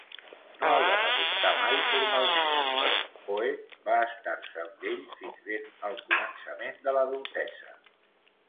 No el van adoptar mai formalment, però Poe va estar-se amb ells fins ben al començament de l'adultesa.